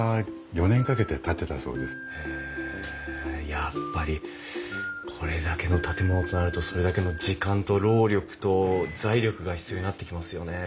やっぱりこれだけの建物となるとそれだけの時間と労力と財力が必要になってきますよね。